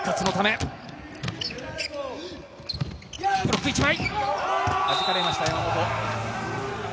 はじかれました山本！